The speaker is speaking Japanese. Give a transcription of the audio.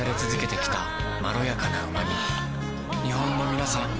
日本のみなさん